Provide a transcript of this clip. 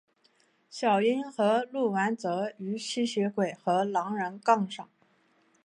小樱和鹿丸则与吸血鬼和狼人杠上。